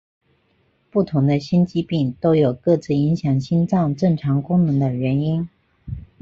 不同的心肌病都有各自影响心脏正常功能的原因。